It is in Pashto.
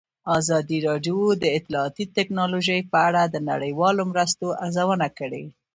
ازادي راډیو د اطلاعاتی تکنالوژي په اړه د نړیوالو مرستو ارزونه کړې.